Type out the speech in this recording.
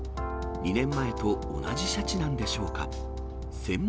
２年前と同じシャチなんでしょうか。